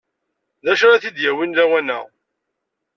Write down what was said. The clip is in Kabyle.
D acu ara t-id-yawin lawan-a?